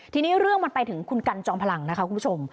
ทีนี้เรื่องมันไปถึงคุณกันจอมพลังนะคะคุณผู้ชม